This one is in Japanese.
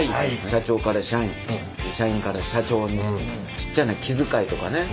社長から社員社員から社長にちっちゃな気遣いとかね